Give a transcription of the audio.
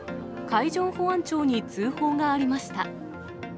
海上保安庁に通報がありました。